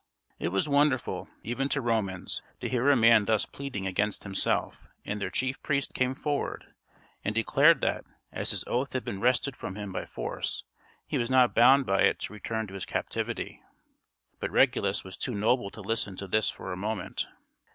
It was wonderful, even to Romans, to hear a man thus pleading against himself, and their chief priest came forward, and declared that, as his oath had been wrested from him by force, he was not bound by it to return to his captivity. But Regulus was too noble to listen to this for a moment.